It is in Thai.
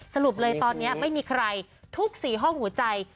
สรุปเลยตอนนี้ไม่มีใครทุก๔ห้องหัวใจ